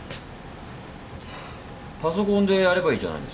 パソコンでやればいいじゃないですか。